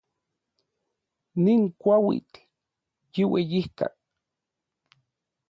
Nin kuauitl yiueyijka.